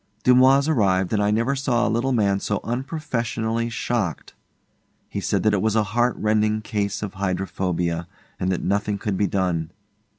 Dumoise arrived, and I never saw a little man so unprofessionally shocked. He said that it was a heart rending case of hydrophobia, and that nothing could be done.